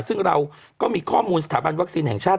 ซึ่งเราก็มีข้อมูลสถาบันวัคซีนแห่งชาติ